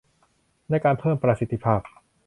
ในการเพิ่มประสิทธิภาพ